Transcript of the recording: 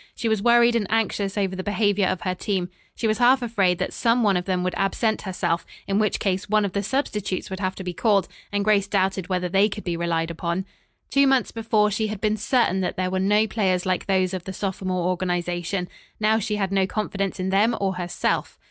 She was worried and anxious over the behavior of her team. She was half afraid that some one of them would absent herself, in which case one of the substitutes would have to be called, and Grace doubted whether they could be relied upon. Two months before, she had been certain that there were no players like those of the sophomore organization. Now she had no confidence in them or herself.